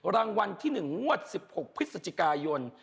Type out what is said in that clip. รางวัลที่๑งวด๑๖พฤศจิกายน